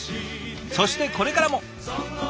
そしてこれからも。